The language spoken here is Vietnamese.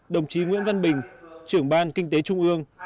đồng chí nguyễn văn bình trưởng ban kinh tế trung ương